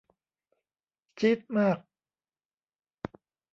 จี๊ดมาก